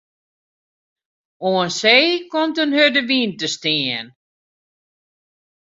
Oan see komt in hurde wyn te stean.